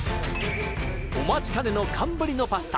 お待ちかねの寒ブリのパスタ